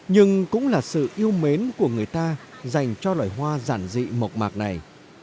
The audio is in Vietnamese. nhưng cũng là sự yêu mến của người ta dành cho loài hoa giản dị mộc mạc này